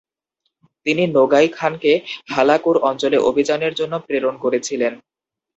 তিনি নোগাই খানকে হালাকুর অঞ্চলে অভিযানের জন্য প্রেরণ করেছিলেন।